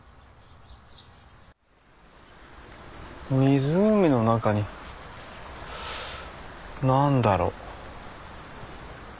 湖の中に何だろう。